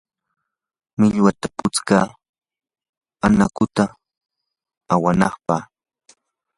millwata putskaa anakuta awanapaq.